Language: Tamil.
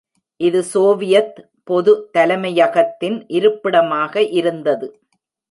இது சோவியத் பொது தலைமையகத்தின் இருப்பிடமாக இருந்தது.